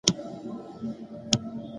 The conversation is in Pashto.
د اللهﷻ ذکر د زړه ارامي ده.